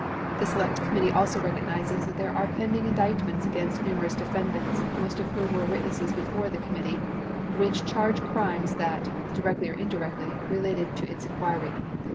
The Select Committee also recognizes that there are pending indictments against numerous defendants, most of whom were witnesses before the committee, which charge crimes that, directly or indirectly, relate to its inquiry.